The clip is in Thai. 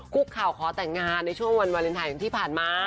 คุกเข่าขอแต่งงานในช่วงวันวาเลนไทยที่ผ่านมา